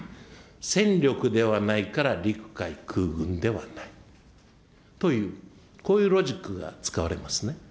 戦力ではないから陸海空軍ではないという、こういうロジックが使われますね。